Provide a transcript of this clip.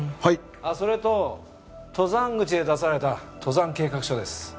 あっそれと登山口で出された登山計画書です。